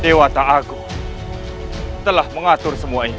dewa ta'agu telah mengatur semua ini